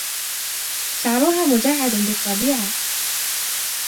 شعرها مجعد بالطبيعه.